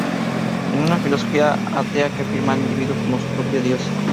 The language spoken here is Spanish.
Es una filosofía atea que afirma el individuo como su propio "dios".